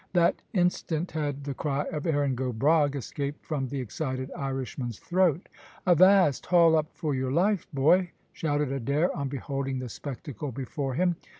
That instant had the cry of "Erin go bragh!" escaped from the excited Irishman's throat. "Avast! haul up for your life, boy," shouted Adair, on beholding the spectacle before him.